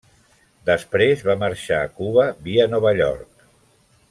Després va marxar a Cuba via Nova York.